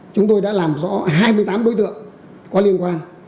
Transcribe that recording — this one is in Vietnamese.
chúng tôi đã làm rõ hai mươi tám đối tượng có liên quan